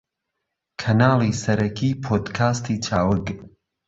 کەناڵی سەرەکی پۆدکاستی چاوگ